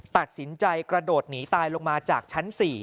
ตัดสินใจกระโดดหนีตายลงมาจากชั้น๔